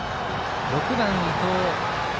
６番、伊藤悠